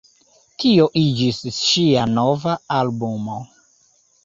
Tio iĝis ŝia nova albumo.